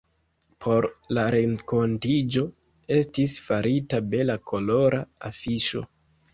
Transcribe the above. Por la renkontiĝo estis farita bela kolora afiŝo.